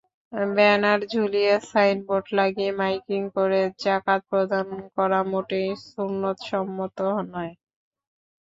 Banner ঝুলিয়ে, signboard লাগিয়ে, miking করে জাকাত প্রদান করা মোটেই সুন্নতসম্মত নয়।